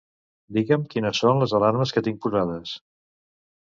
Digue'm quines són les alarmes que tinc posades.